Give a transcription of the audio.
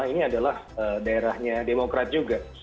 ini adalah daerahnya demokrat juga